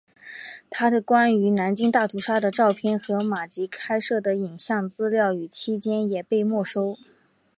他的关于南京大屠杀的照片和马吉拍摄的影像资料与此期间也被没收。